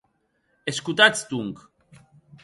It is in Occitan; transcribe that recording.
Escotatz, donc.